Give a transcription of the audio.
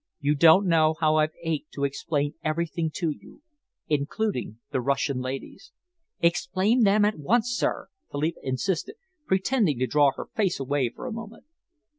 You don't know how I've ached to explain everything to you including the Russian ladies." "Explain them at once, sir!" Philippa insisted, pretending to draw her face away for a moment.